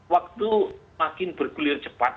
waktu makin bergulir cepat